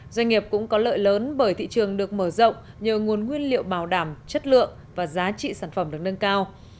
doanh nghiệp cũng có lợi lớn bởi thị trường được mở rộng nhờ nguồn nguyên liệu bảo đảm chất lượng và giá trị sản phẩm được nâng cao